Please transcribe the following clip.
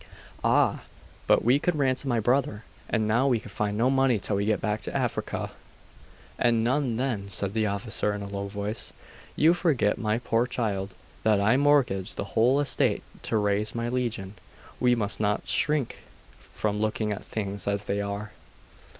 'Ah! but we could ransom my brother! and now we can find no money till we get back to Africa.' 'And none then,' said the officer, in a low voice. 'You forget, my poor child, that I mortgaged the whole estate to raise my legion. We must not shrink from looking at things as they are.